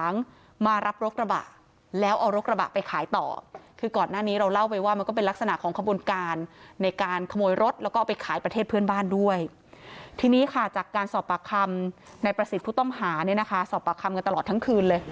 นี่นะคะคือนายประสิทธิ์ก็ยังอ่อนเพลียไม่มีแรงเดิน